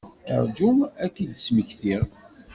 Rju ad k-d-smektiɣ.